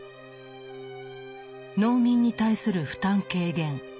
農民に対する負担軽減